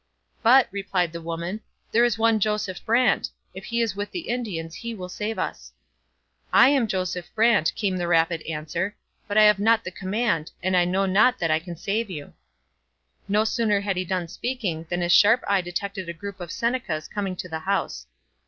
'But,' replied the woman, 'there is one Joseph Brant: if he is with the Indians, he will save us.' 'I am Joseph Brant,' came the rapid answer, 'but I have not the command, and I know not that I can save you.' No sooner had he done speaking than his sharp eye detected a group of Senecas coming to the house.